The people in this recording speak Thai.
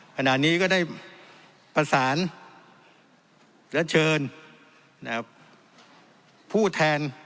ขณะนี้ก็ได้ประสานและเชิญผู้แทน